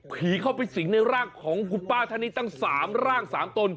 เข้าไปสิงในร่างของคุณป้าท่านนี้ตั้ง๓ร่าง๓ตน